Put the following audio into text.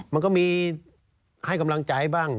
มันก็มีให้กำลังใจบ้าง